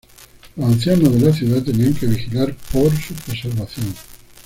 Los ancianos de la ciudad tenían que vigilar por su preservación.